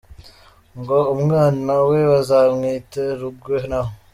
ngo umwana we bazamwite Rugwe, naho